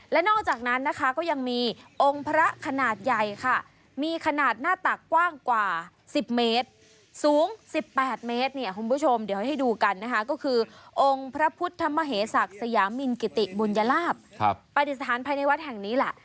และนอกจากนั้นนะคะก็ยังมีองค์พระขนาดใหญ่ค่ะมีขนาดหน้าตักกว้างกว่า๑๐เมตรสูง๑๘เมตรเนี่ยคุณผู้ชมเดี๋ยวให้ดูกันนะคะก็คือองค์พระพุทธมเหศักดิ์สยามินกิติบุญลาภปฏิสถานภายในวัดแห่งนี้แหละ